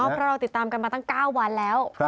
เพราะเราติดตามกันมาตั้ง๙วันแล้ว